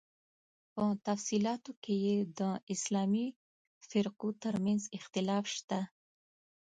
په تفصیلاتو کې یې د اسلامي فرقو تر منځ اختلاف شته.